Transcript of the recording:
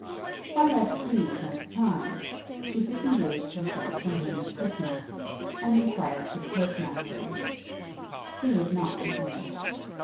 Far less pleased than surprised, she disengaged herself from him with quickness, and enquired for the post master. He was not within.